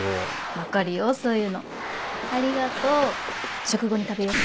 分かるよそういうのありがとう食後に食べよう。